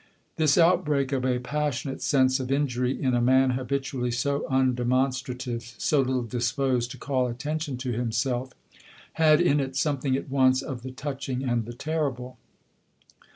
This outbreak of a passionate sense of injury in a man habitually so undemonstrative, so little disposed to call attention to himself, had in it something at once of the touching and the terrible.